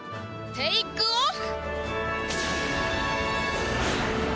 テイクオフ！